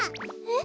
え？